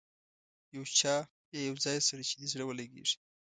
یو چا یا یو ځای سره چې دې زړه ولګېږي.